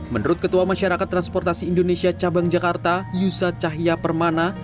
menurut ketua masyarakat transportasi indonesia cabang jakarta yusa cahya permana